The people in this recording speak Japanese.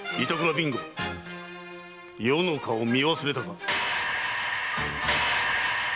備後余の顔を見忘れたか？